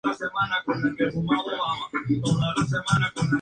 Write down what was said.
La función zeta de Artin-Mazur es un invariante bajo una conjugación topológica.